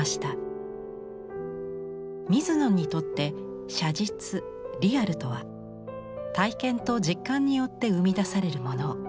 水野にとって写実リアルとは体験と実感によって生み出されるもの。